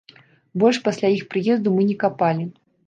Больш пасля іх прыезду мы не капалі.